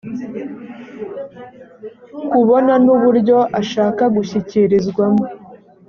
kubona n uburyo ashaka gushyikirizwamo